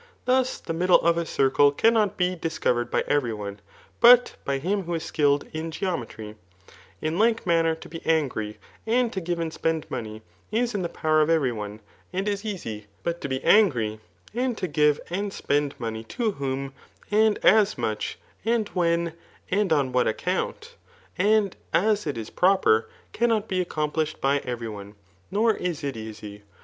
Thus, the middle of a circle cannot be dis covered by every one, but by him who is skilled [in geometry ]• In like n^anner, to be angry, and to give and spend money, is in the power of every one, and is easy; but to be angry, and to give and spend money to whom,, aad as much, aixd when, and on what accou!it« Digitized by Google 73 THE KICOMACHBAN . BOOK lU and as it 18 proper, cannot be accompltshed by every one, nor is it easy.